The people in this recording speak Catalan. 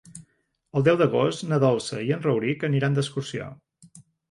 El deu d'agost na Dolça i en Rauric aniran d'excursió.